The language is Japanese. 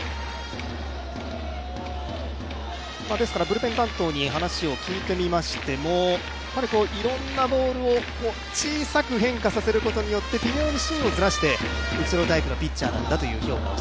ブルペン担当に話を聞いてみましても、いろんなボールを小さく変化させることによって微妙に芯をずらすタイプのピッチャーなんだと。